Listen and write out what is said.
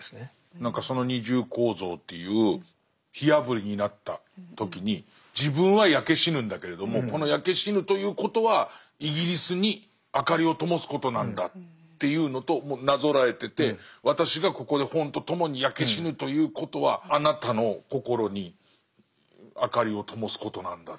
何かその二重構造という火あぶりになった時に自分は焼け死ぬんだけれどもこの焼け死ぬということはイギリスに明かりを灯すことなんだっていうのとなぞらえてて私がここで本とともに焼け死ぬということはあなたの心に明かりを灯すことなんだということですか。